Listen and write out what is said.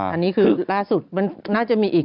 อันนี้คือล่าสุดมันน่าจะมีอีก